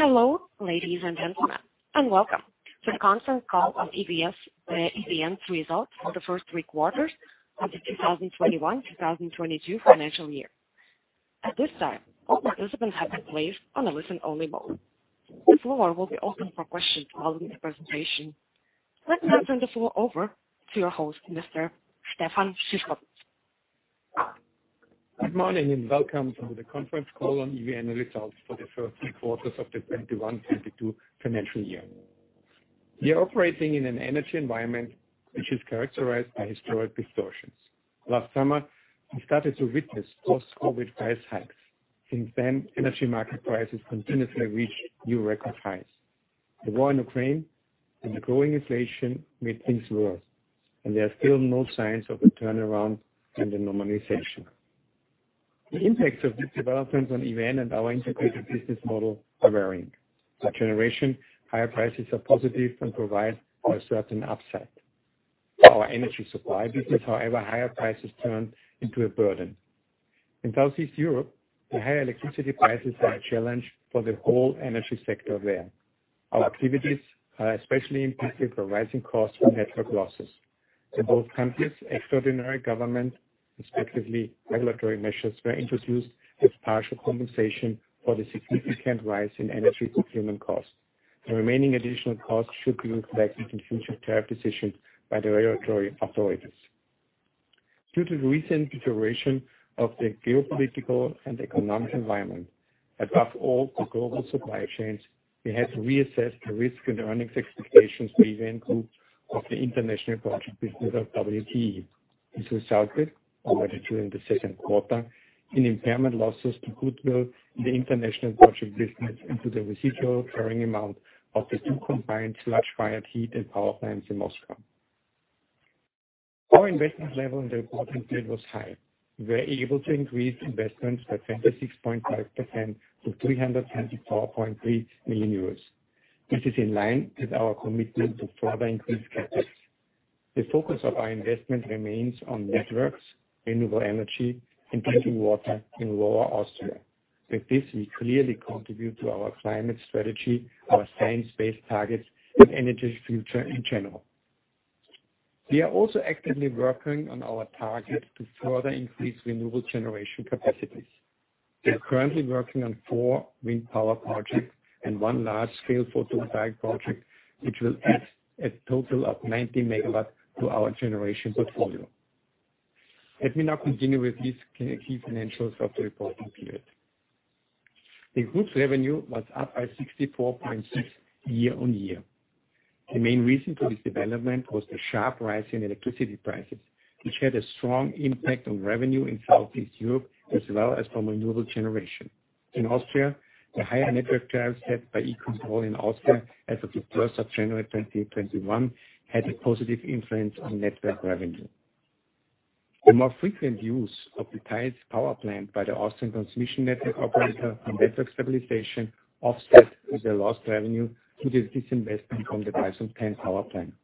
Hello, ladies and gentlemen, and welcome to the conference call of EVN's results for the first three quarters of the 2021/2022 financial year. At this time, all participants have been placed on a listen-only mode. The floor will be open for questions following the presentation. Let me now turn the floor over to your host, Mr. Stefan Szyszkowitz. Good morning, and welcome to the conference call on EVN results for the first three quarters of the 2021/2022 financial year. We are operating in an energy environment which is characterized by historic distortions. Last summer, we started to witness post-COVID price hikes. Since then, energy market prices continuously reached new record highs. The war in Ukraine and the growing inflation made things worse, and there are still no signs of a turnaround and a normalization. The impacts of these developments on EVN and our integrated business model are varying. For generation, higher prices are positive and provide for a certain upset. For our energy supply business, however, higher prices turn into a burden. In Southeast Europe, the higher electricity prices are a challenge for the whole energy sector there. Our activities are especially impacted by rising costs from network losses. In both countries, extraordinary government, respectively regulatory measures, were introduced as partial compensation for the significant rise in energy procurement costs. The remaining additional costs should be reflected in future tariff decisions by the regulatory authorities. Due to the recent deterioration of the geopolitical and economic environment, above all, the global supply chains, we had to reassess the risk and earnings expectations for EVN Group of the international project business of WTE. This resulted already during the second quarter in impairment losses to goodwill in the international project business into the residual carrying amount of the two combined sludge-fired heat and power plants in Moscow. Our investment level in the reporting period was high. We were able to increase investments by 26.5% to 344.3 million euros. This is in line with our commitment to further increase CapEx. The focus of our investment remains on networks, renewable energy, and drinking water in Lower Austria. With this, we clearly contribute to our climate strategy, our science-based targets, and energy's future in general. We are also actively working on our target to further increase renewable generation capacities. We are currently working on four wind power projects and one large-scale photovoltaic project, which will add a total of 90 MW to our generation portfolio. Let me now continue with these key financials of the reporting period. The group's revenue was up by 64.6% year-over-year. The main reason for this development was the sharp rise in electricity prices, which had a strong impact on revenue in Southeast Europe, as well as from renewable generation. In Austria, the higher network tariffs set by Energie-Control Austria as of the 1st of January 2021 had a positive influence on network revenue. The more frequent use of the Theiss power plant by the Austrian transmission network operator and network stabilization offset the lost revenue due to disinvestment from the Walsum 10 power plant.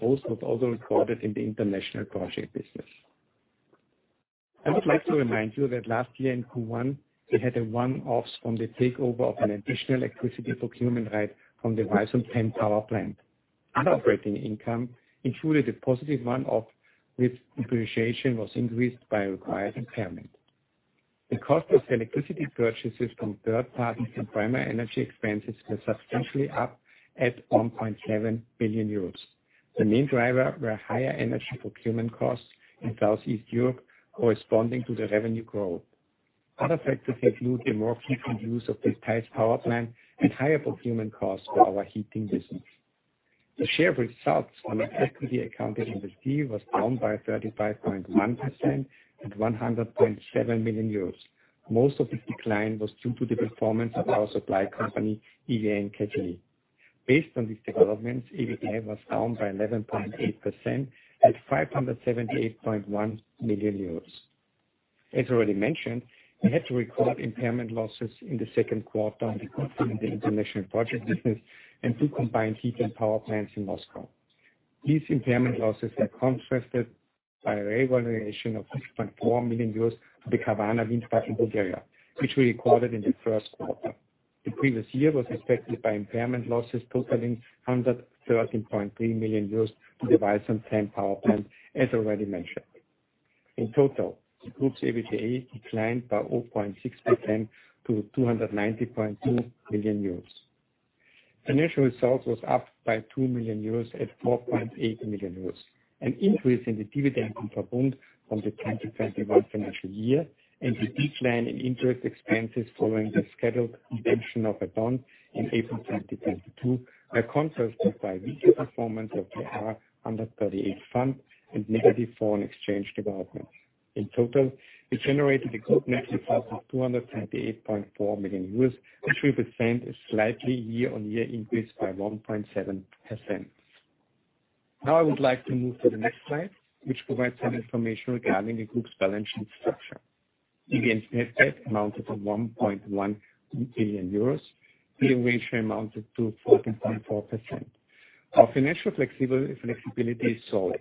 Both were also recorded in the international project business. I would like to remind you that last year in Q1, we had a one-off from the takeover of an additional electricity procurement right from the Walsum 10 power plant. Other operating income included a positive one-off, which depreciation was increased by a required impairment. The cost of electricity purchases from third parties and primary energy expenses were substantially up at 1.7 billion euros. The main driver were higher energy procurement costs in Southeast Europe, corresponding to the revenue growth. Other factors include the more frequent use of the Tyrolean power plant and higher procurement costs for our heating business. The share results on equity-accounted investee was down by 35.1% at 100.7 million euros. Most of the decline was due to the performance of our supply company, EVN Cateni. Based on these developments, EBITDA was down by 11.8% at 578.1 million euros. As already mentioned, we had to record impairment losses in the second quarter on account of the international project business and two combined heat and power plants in Moscow. These impairment losses are contrasted by a revaluation of 6.4 million euros to the Kavarna wind farm in Bulgaria, which we recorded in the first quarter. The previous year was affected by impairment losses totaling 113.3 million euros to the Theiss power plant, as already mentioned. In total, the group's EBITDA declined by 0.6% to 290.2 million euros. Financial results was up by 2 million euros at 4.8 million euros, an increase in the dividend from Verbund from the 2021 financial year, and the decline in interest expenses following the scheduled redemption of a bond in April 2022 are contrasted by weaker performance of the R138 fund and negative foreign exchange development. In total, we generated a group net result of 278.4 million euros, which represents a slightly year-on-year increase by 1.7%. Now I would like to move to the next slide, which provides some information regarding the group's balance sheet structure. EVN's net debt amounted to 1.1 billion euros. Gearing ratio amounted to 14.4%. Our financial flexibility is solid.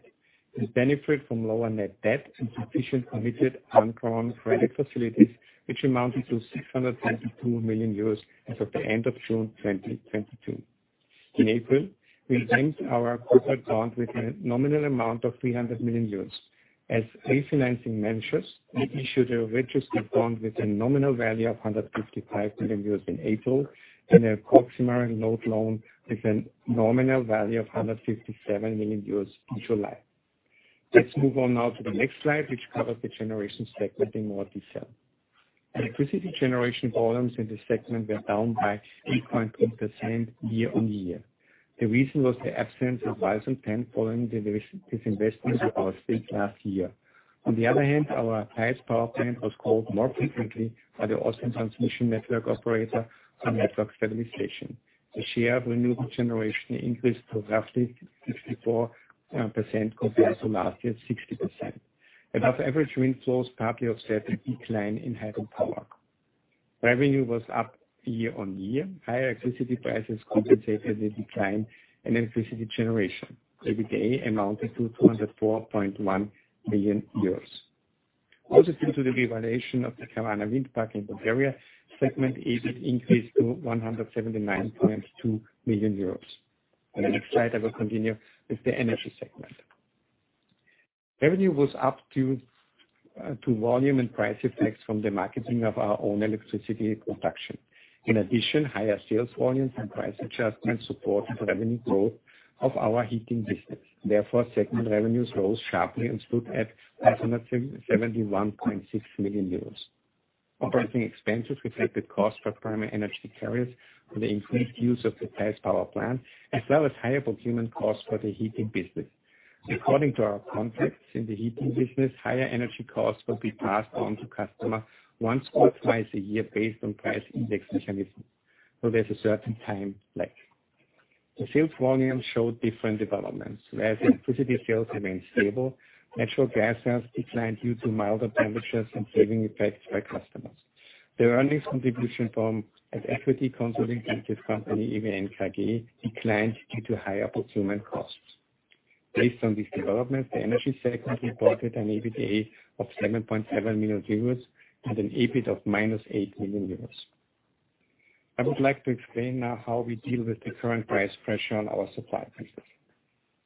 We benefit from lower net debt and sufficient committed undrawn credit facilities, which amounted to 602 million euros as of the end of June 2022. In April, we linked our corporate bond with a nominal amount of 300 million euros. As refinancing measures, we issued a registered bond with a nominal value of 155 million euros in April, and a Schuldschein loan with a nominal value of 157 million euros in July. Let's move on now to the next slide, which covers the generation segment in more detail. Electricity generation volumes in this segment were down by 3.2% year-on-year. The reason was the absence of 1,010 following the disinvestment of our stake last year. On the other hand, our Theiss power plant was called more frequently by the Austrian Transition Network operator for network stabilization. The share of renewable generation increased to roughly 54% compared to last year's 60%. As average wind flows partly offset the decline in hydro power. Revenue was up year-on-year. Higher electricity prices compensated the decline in electricity generation. EBITDA amounted to 24.1 billion euros. Also, due to the revaluation of the Kavarna Wind Park in Bulgaria, segment EBIT increased to 179.2 million euros. On the next slide, I will continue with the energy segment. Revenue was up due to volume and price effects from the marketing of our own electricity production. In addition, higher sales volumes and price adjustments supported revenue growth of our heating business. Therefore, segment revenues rose sharply and stood at 171.6 million euros. Operating expenses rose due to costs for primary energy carriers for the increased use of the Theiss power plant, as well as higher procurement costs for the heating business. According to our contracts in the heating business, higher energy costs will be passed on to customers once or twice a year based on price index mechanism, so there's a certain time lag. The sales volume showed different developments, whereas the electricity sales remained stable, natural gas sales declined due to milder temperatures and savings effects by customers. The earnings contribution from an equity-accounted investee company, EVN KG, declined due to higher procurement costs. Based on this development, the energy segment reported an EBITDA of 7.7 million euros and an EBIT of -8 million euros. I would like to explain now how we deal with the current price pressure on our supply business.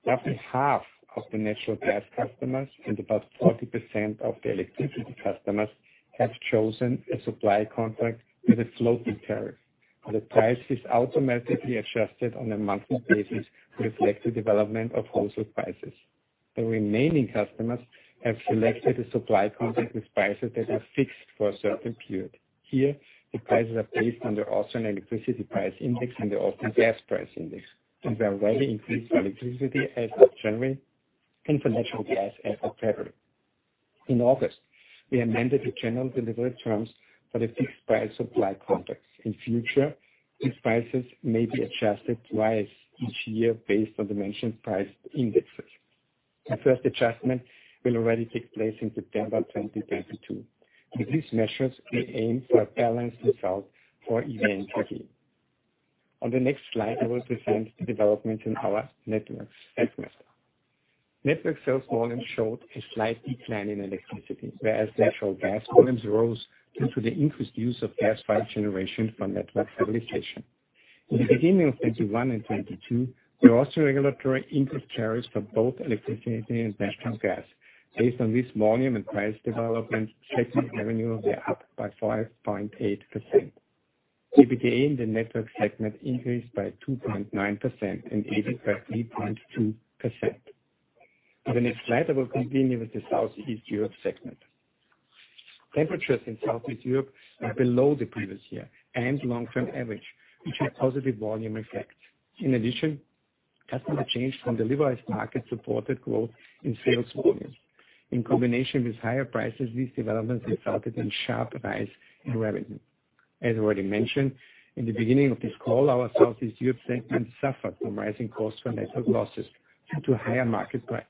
Roughly half of the natural gas customers and about 40% of the electricity customers have chosen a supply contract with a floating tariff, where the price is automatically adjusted on a monthly basis to reflect the development of wholesale prices. The remaining customers have selected a supply contract with prices that are fixed for a certain period. Here, the prices are based on the Austrian electricity price index and the Austrian gas price index, and they are already increased for electricity as of January and for natural gas as of February. In August, we amended the general delivery terms for the fixed price supply contracts. In future, these prices may be adjusted twice each year based on the mentioned price indexes. The first adjustment will already take place in September 2022. With these measures, we aim for a balanced result for EVN trading. On the next slide, I will present the development in our networks segment. Network sales volumes showed a slight decline in electricity, whereas natural gas volumes rose due to the increased use of gas-fired generation from network stabilization. In the beginning of 2021 and 2022, there were also regulatory increase tariffs for both electricity and natural gas. Based on this volume and price development, segment revenue will be up by 5.8%. EBITDA in the network segment increased by 2.9% and EBIT by 3.2%. On the next slide, I will continue with the Southeast Europe segment. Temperatures in Southeast Europe are below the previous year and long-term average, which had positive volume effects. In addition, customer change from the liberalized market supported growth in sales volumes. In combination with higher prices, these developments resulted in sharp rise in revenue. As already mentioned, in the beginning of this call, our Southeast Europe segment suffered from rising costs for network losses due to higher market prices.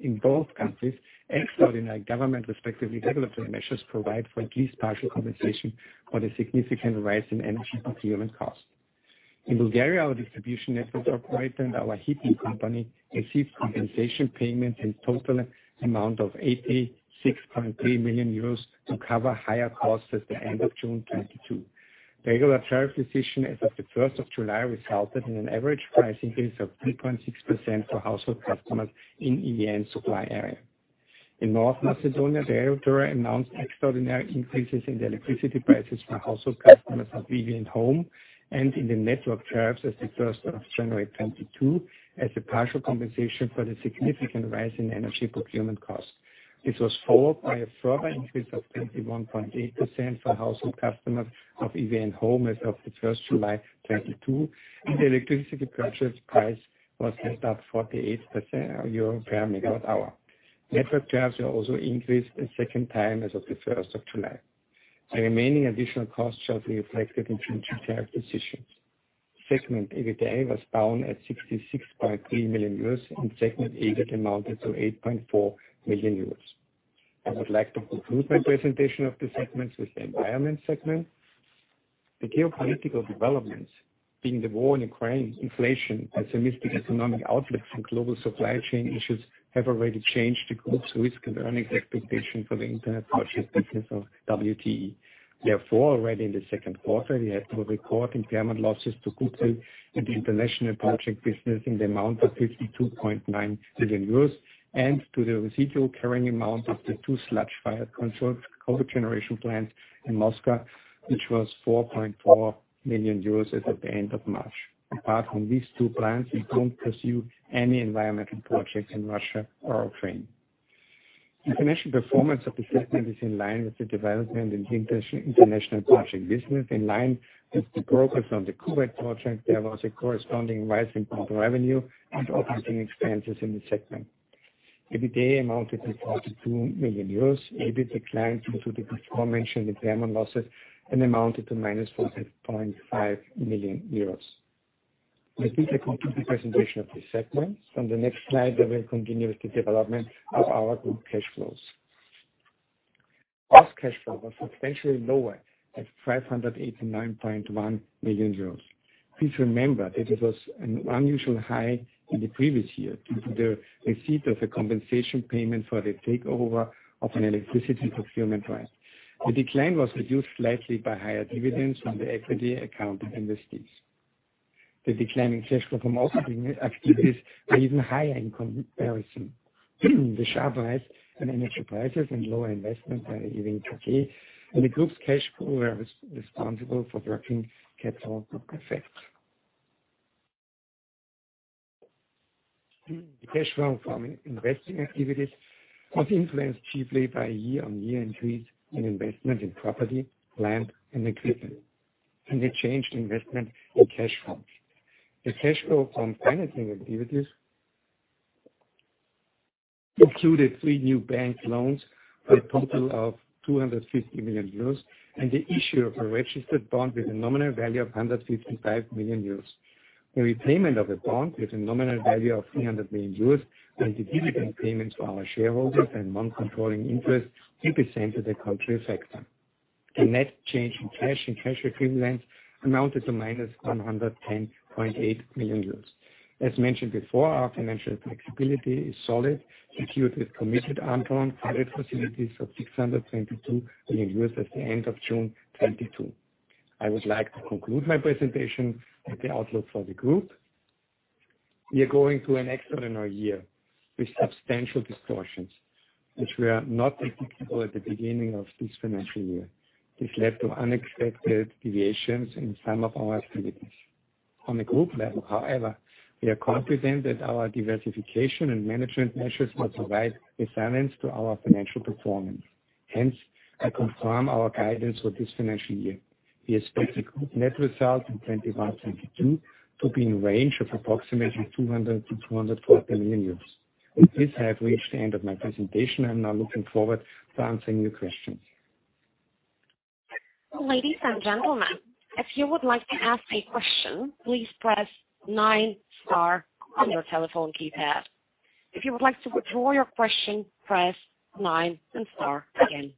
In both countries, extraordinary government respectively development measures provide for at least partial compensation for the significant rise in energy procurement costs. In Bulgaria, our distribution network operator and our heating company received compensation payments in total amount of 86.3 million euros to cover higher costs at the end of June 2022. Regular tariff decision as of 1st of July resulted in an average price increase of 3.6% for household customers in EVN supply area. In North Macedonia, the regulator announced extraordinary increases in the electricity prices for household customers of EVN Home and in the network tariffs as of the 1st of January 2022 as a partial compensation for the significant rise in energy procurement costs. This was followed by a further increase of 21.8% for household customers of EVN Home as of the 1st of July 2022, and the electricity purchase price was set at 48 euro MWh. Network tariffs are also increased a second time as of the 1st of July. The remaining additional costs shall be reflected in future tariff decisions. Segment EBITDA was down at 66.3 million euros, and segment EBIT amounted to 8.4 million euros. I would like to conclude my presentation of the segments with the environment segment. The geopolitical developments, being the war in Ukraine, inflation, and some economic outlooks and global supply chain issues, have already changed the group's risk and earnings expectation for the international project business of WTE. Therefore, already in the second quarter, we had to record impairment losses to goodwill in the international project business in the amount of 52.9 million euros, and to the residual carrying amount of the two sludge-fired cogeneration plants in Moscow, which was 4.4 million euros as at the end of March. Apart from these two plants, we don't pursue any environmental projects in Russia or Ukraine. The financial performance of the segment is in line with the development in the international project business. In line with the progress on the Kuwait project, there was a corresponding rise in total revenue and operating expenses in the segment. EBITDA amounted to 42 million euros. EBIT declined due to the aforementioned impairment losses and amounted to -14.5 million euros. With this, I conclude the presentation of this segment. On the next slide, I will continue with the development of our group cash flows. Op cash flow was substantially lower at 589.1 million euros. Please remember that it was an unusual high in the previous year due to the receipt of a compensation payment for the takeover of an electricity procurement plant. The decline was reduced slightly by higher dividends from the equity-accounted investees. The decline in cash flow from operating activities are even higher in comparison. The sharp rise in energy prices and lower investment are headwinds today, and the group's cash flow was affected by working capital and group effects. The cash flow from investing activities was influenced chiefly by year-over-year increase in investment in property, plant, and equipment, and a change in investment in cash funds. The cash flow from financing activities included three new bank loans for a total of 250 million euros, and the issue of a registered bond with a nominal value of 155 million euros. The repayment of a bond with a nominal value of 300 million euros and the dividend payment to our shareholders and non-controlling interests represented a contrary factor. The net change in cash and cash equivalents amounted to -110.8 million euros. As mentioned before, our financial flexibility is solid, secured with committed undrawn credit facilities of 622 million as at the end of June 2022. I would like to conclude my presentation with the outlook for the group. We are going through an extraordinary year with substantial distortions, which were not foreseeable at the beginning of this financial year. This led to unexpected deviations in some of our activities. On a group level, however, we are confident that our diversification and management measures will provide resilience to our financial performance. Hence, I confirm our guidance for this financial year. We expect the group net result in 2021-2022 to be in range of approximately 200 billion-204 billion euros. With this, I have reached the end of my presentation. I am now looking forward to answering your questions. Ladies and gentlemen, if you would like to ask a question, please press nine star on your telephone keypad. If you would like to withdraw your question, press nine and star again.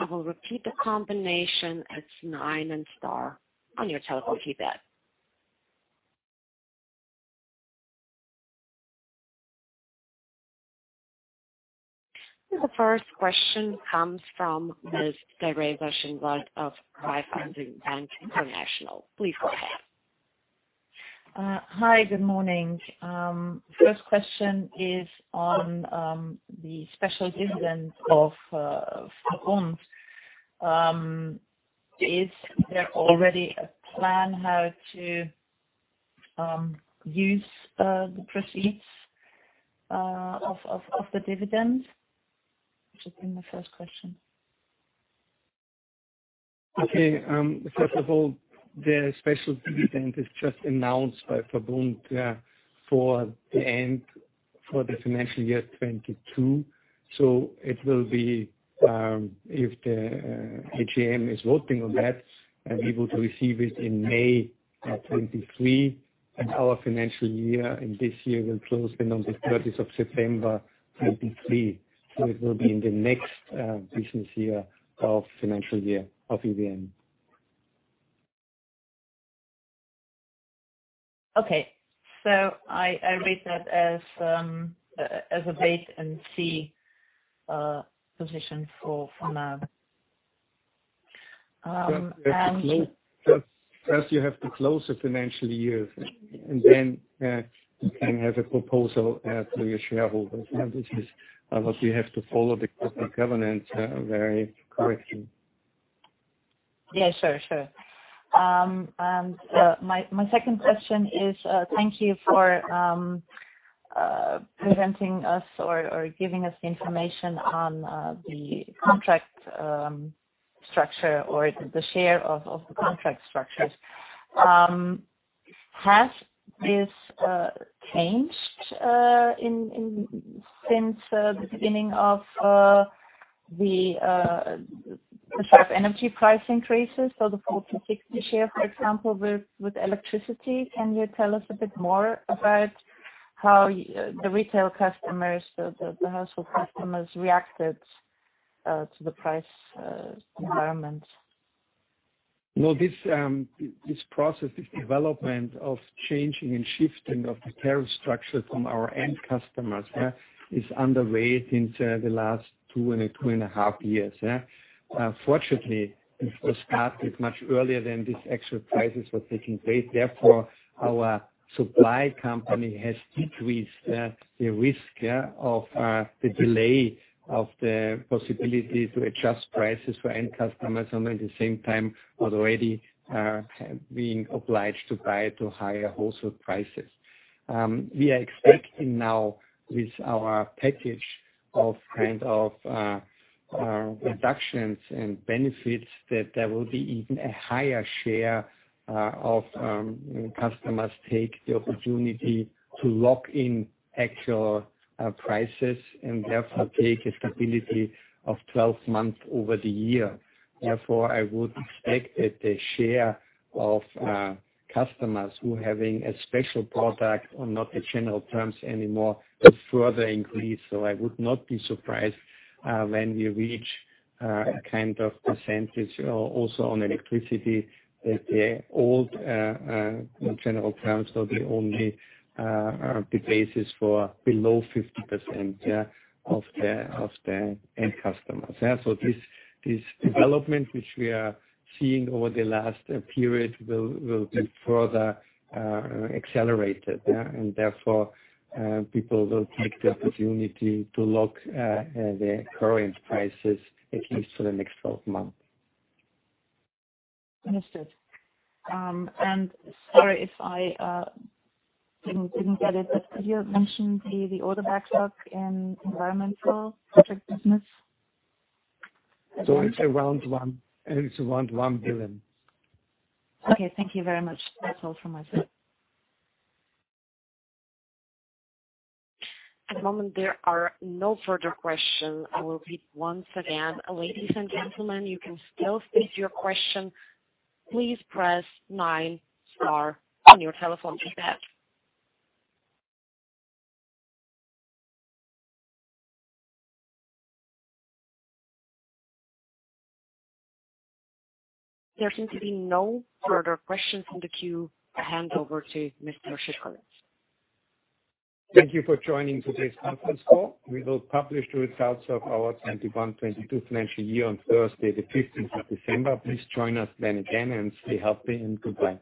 I will repeat the combination. It's nine and star on your telephone keypad. The first question comes from Ms. Desiree Verschoor of BNP Paribas Exane. Please go ahead. Hi, good morning. First question is on the special dividend of Verbund. Is there already a plan how to use the proceeds of the dividend? Which has been my first question. Okay. First of all, the special dividend is just announced by Verbund for the end of the financial year 2022. If the AGM is voting on that and able to receive it in May of 2023, and our financial year in this year will close on the 30th of September 2023. It will be in the next financial year of EVN. Okay. I read that as a wait-and-see position from. First you have to close the financial year, and then you can have a proposal to your shareholders. Which is what we have to follow the corporate governance very correctly. Yeah, sure. My second question is, thank you for presenting us or giving us the information on the contract structure or the share of the contract structures. Has this changed since the beginning of the sharp energy price increases, so the 40/60 share, for example, with electricity. Can you tell us a bit more about how the retail customers, the household customers reacted to the price environment? No. This process, this development of changing and shifting of the tariff structure for our end customers is underway since the last 2.5 years. Fortunately, it was started much earlier than these extra prices were taking place. Therefore, our supply company has decreased the risk of the delay of the possibility to adjust prices for end customers, and at the same time was already being obliged to buy at higher wholesale prices. We are expecting now with our package of kind of reductions and benefits that there will be even a higher share of customers take the opportunity to lock in actual prices and therefore take the stability of 12 months over the year. Therefore, I would expect that the share of customers who are having a special product on not the general terms anymore will further increase. I would not be surprised when we reach a kind of percentage also on electricity, that the old general terms will be only the basis for below 50% of the end customers. This development which we are seeing over the last period will be further accelerated. Therefore, people will take the opportunity to lock their current prices at least for the next 12 months. Understood. Sorry if I didn't get it, but you mentioned the order backlog in environmental project business. It's around 1 billion. Okay, thank you very much. That's all from my side. At the moment there are no further questions. I will read once again. Ladies and gentlemen, you can still state your questions. Please press nine star on your telephone keypad. There seem to be no further questions in the queue. I hand over to Mr. Szyszkowitz. Thank you for joining today's conference call. We will publish the results of our 2021/2022 financial year on Thursday, the f15th of December. Please join us then again, and stay healthy, and goodbye.